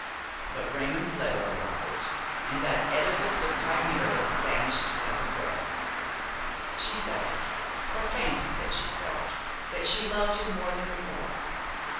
But Raymon's letter arrived, and that edifice of chimeras vanished like a breath. She felt, or fancied that she felt, that she loved him more than before.